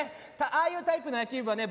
ああいうタイプの野球部はね